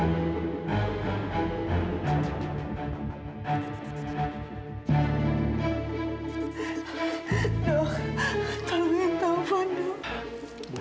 dok tolongin taufan dok